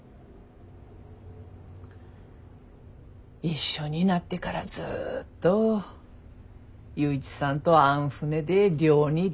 一緒になってからずっと雄一さんとあん船で漁に出とったけん。